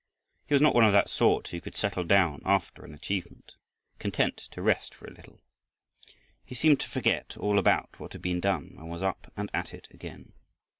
He was not one of that sort who could settle down after an achievement, content to rest for a little. He seemed to forget all about what had been done and was "up and at it again."